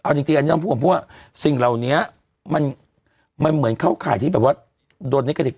จริงจริงต้องพูดให้ผมว่าสิ่งเหล่านี้มันเหมือนเข้าข่ายโดนแน็กพัทิก